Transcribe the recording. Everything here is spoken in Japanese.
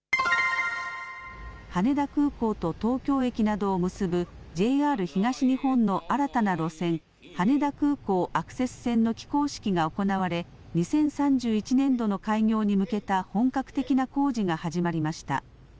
羽田空港と東京駅などを結ぶ、ＪＲ東日本の新たな路線、羽田空港アクセス線の起工式が行われ、２０３１年度の開業に向けた本格的な工事が始まりました。